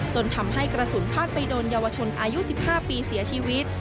จนทำให้กระสุนพาดไปโดนเยาวชนอายุ๑๕ปีเสียชีวิต